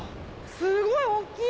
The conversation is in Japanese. すごい大っきい！